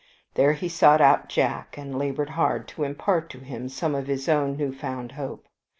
There he sought out Jack, and labored hard to impart to him some of his own newfound hope.